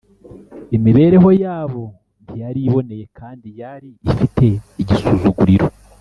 imibereho yabo ntiyari iboneye kandi yari ifite igisuzuguriro